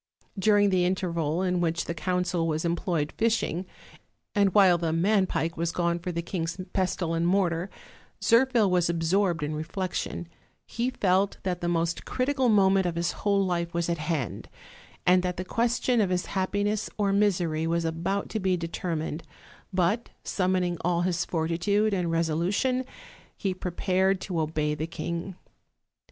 During the interval in which the council was employed fishing, and while the man pike was gone for the king's pestle and mortar, Zirphil was absorbed in reflection; he felt that the most critical moment of his whole life was at hand, and that the question of his happiness or misery was about to be determined; but, summoning all his fortitude and resolution, he prepared to obey the king.